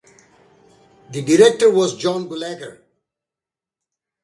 The director was John Gulager.